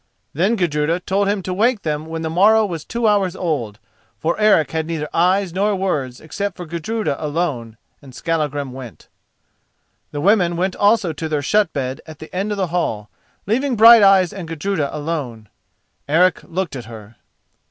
Then Gudruda told him to wake them when the morrow was two hours old, for Eric had neither eyes nor words except for Gudruda alone, and Skallagrim went. The women went also to their shut bed at the end of the hall, leaving Brighteyes and Gudruda alone. Eric looked at her.